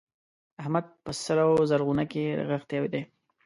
احمد په سره و زرغونه کې رغښتی دی.